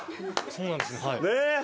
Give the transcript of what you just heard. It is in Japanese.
そうなんですね。